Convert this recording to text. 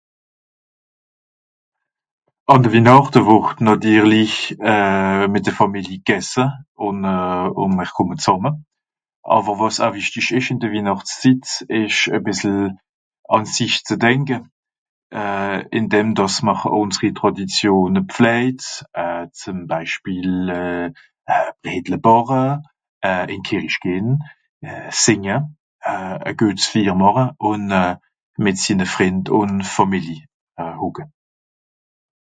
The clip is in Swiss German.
àn de winàcht wòrt nàtirli euh mìt de fàmili gesse ùn euh ùn mer kòmme zàmme àwer wàs à wichtig esch ìn de winàchtszit esch à bìssel àn sich zu denke euh in dem dàss mr unseri traditione pflaitz euh zum beispiel euh bredle bàche ìn kerisch gehn euh sìnge à geuts fir màche ùn mìt sìnne frìnd ùn fàmili hòcke